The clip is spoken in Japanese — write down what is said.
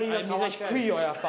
低いよ、やっぱ。